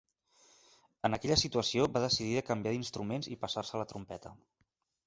En aquella situació va decidir de canviar d'instruments i passar-se a la trompeta.